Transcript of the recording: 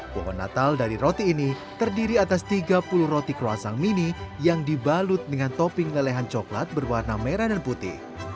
pohon natal dari roti ini terdiri atas tiga puluh roti kroasing mini yang dibalut dengan topping lelehan coklat berwarna merah dan putih